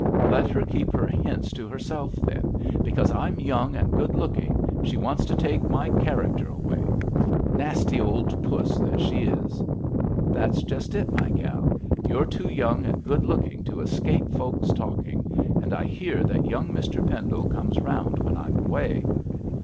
'Let her keep her hints to herself, then. Because I'm young and good looking she wants to take my character away. Nasty old puss that she is!' 'That's just it, my gal. You're too young and good looking to escape folks' talking; and I hear that young Mr Pendle comes round when I'm away.'